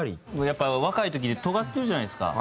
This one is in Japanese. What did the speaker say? やっぱ若い時ってとがってるじゃないですか。